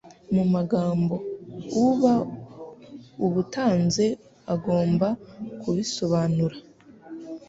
mu magambo, uba ubutanze agomba kubisobanura